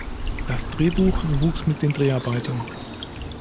Das Drehbuch wuchs mit den Dreharbeiten.